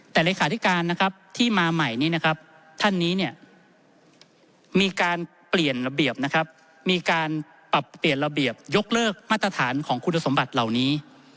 แต่ธกที่มาใหม่ท่านนี้มีการเปลี่ยนระเบียบมีการปรับเปลี่ยนระเบียบยกเลิกมาตรฐานของคุณสมบัติเหล่านี้